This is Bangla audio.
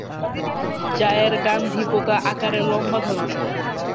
চায়ের গান্ধি পোকা আকারে লম্বা ধরনের।